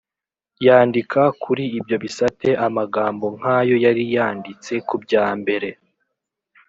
Yandika kuri ibyo bisate amagambo nk’ayo yari yanditse ku bya mbere,